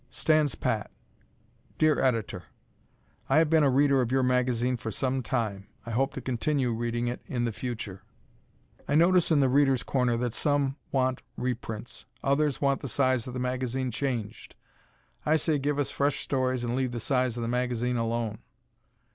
Stands Pat Dear Editor: I have been a reader of your magazine for some time. I hope to continue reading it in the future. I notice in "The Readers' Corner" that some want reprints. Others want the size of the magazine changed. I say, give us "fresh" stories and leave the size of the magazine alone.